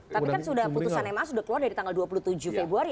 tapi kan sudah putusan ma sudah keluar dari tanggal dua puluh tujuh februari